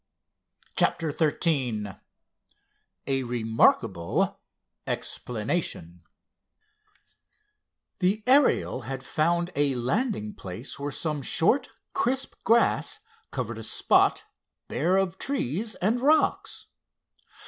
CHAPTER XIII A REMARKABLE EXPLANATION The Ariel had found a landing place where some short crisp grass covered a spot bare of trees and rocks.